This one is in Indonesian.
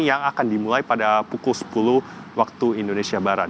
yang akan dimulai pada pukul sepuluh waktu indonesia barat